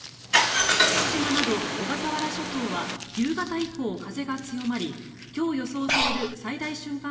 父島など小笠原諸島は夕方以降、風が強まり今日予想される最大瞬間